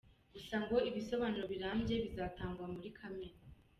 Gusa ngo ibisobanuro birambye bizatangwa muri Kamena.